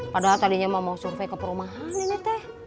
padahal tadinya mau survei ke perumahan ini teh